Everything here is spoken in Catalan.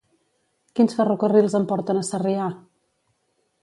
Quins ferrocarrils em porten a Sarrià?